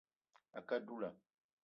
A kə á dula